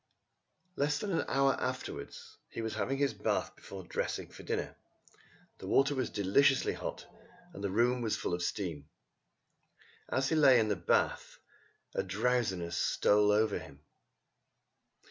Less than an hour afterwards he was having his bath before dressing for dinner. The water was deliciously hot, and the room was full of steam. As he lay in the bath a drowsiness stole over him.